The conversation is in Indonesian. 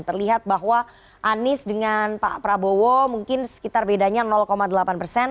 terlihat bahwa anies dengan pak prabowo mungkin sekitar bedanya delapan persen